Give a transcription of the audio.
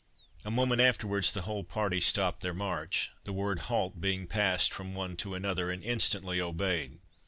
A moment afterwards the whole party stopped their march, the word halt being passed from one to another, and instantly obeyed.